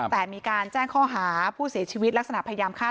แต่มีการแจ้งข้อหาผู้เสียชีวิตลักษณะพยายามฆ่า